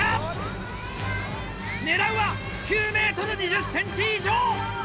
狙うは９ｍ２０ｃｍ以上！